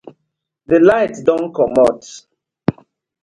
DI light don komot.